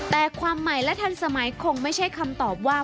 แต่ความใหม่และทันสมัยคงไม่ใช่คำตอบว่า